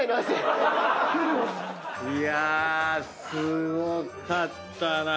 いやすごかったな。